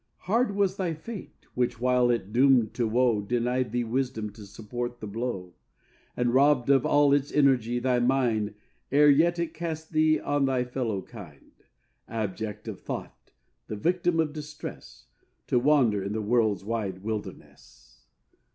Hard was thy Fate, which, while it doom'd to woe, Denied thee wisdom to support the blow; And robb'd of all its energy thy mind, Ere yet it cast thee on thy fellow kind, Abject of thought, the victim of distress, To wander in the world's wide wilderness.